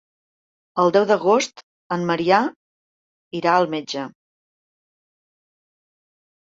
El deu d'agost en Maria irà al metge.